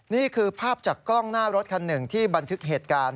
นี่คือภาพจากกล้องหน้ารถคันหนึ่งที่บันทึกเหตุการณ์